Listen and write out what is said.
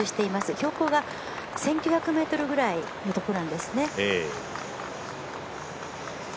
標高が１９００ｍぐらいのところなんですね。